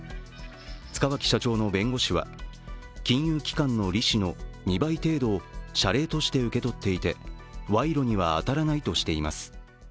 塚脇社長の弁護士は、金融機関の利子の２倍程度を謝礼として受け取っていて賄賂には当たらないとしています。